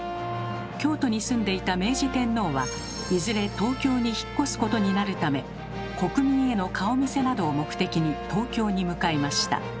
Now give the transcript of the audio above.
京都に住んでいた明治天皇はいずれ東京に引っ越すことになるため国民への顔見せなどを目的に東京に向かいました。